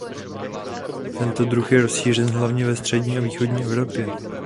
Tento druh je rozšířen hlavně ve střední a východní Evropě.